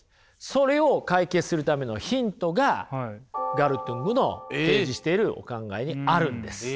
それを解決するためのヒントがガルトゥングの提示しているお考えにあるんです。